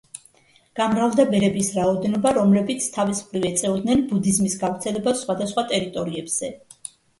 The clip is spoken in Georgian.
გამრავლდა ბერების რაოდენობა, რომლებიც თავის მხრივ ეწეოდნენ ბუდიზმის გავრცელებას სხვადასხვა ტერიტორიებზე.